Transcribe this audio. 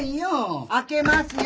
開けますよ。